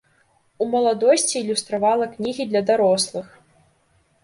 У маладосці ілюстравала кнігі для дарослых.